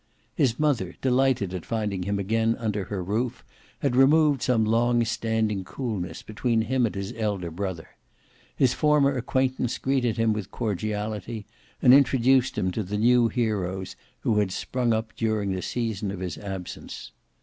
His mother, delighted at finding him again under her roof, had removed some long standing coolness between him and his elder brother; his former acquaintance greeted him with cordiality, and introduced him to the new heroes who had sprung up during the season of his absence.